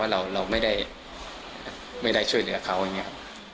ว่าเราไม่ได้ช่วยเหลือเขาอย่างนี้